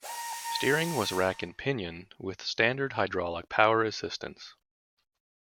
Steering was rack and pinion, with standard hydraulic power assistance.